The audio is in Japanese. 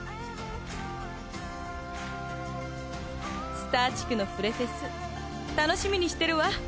スター地区のフレフェス楽しみにしてるわ。